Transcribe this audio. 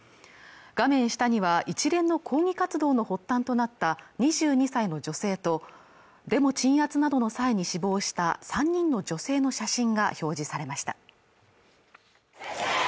画面下には一連の抗議活動の発端となった２２歳の女性とデモ鎮圧などの際に死亡した３人の女性の写真が表示されました